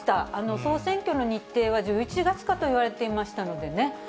総選挙の日程は１１月かといわれていましたのでね。